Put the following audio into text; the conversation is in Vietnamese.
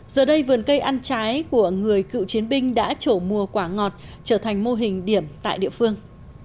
giờ đây vườn cây ăn trái của người cựu chiến binh đã trổ mùa quả ngọt trở thành mô hình điểm tại địa phương